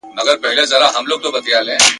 ور څرگنده یې آرزو کړه له اخلاصه !.